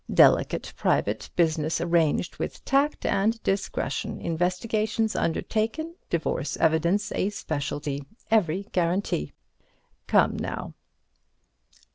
'Delicate private business arranged with tact and discretion. Investigations undertaken. Divorce evidence a specialty. Every guarantee!' Come, now."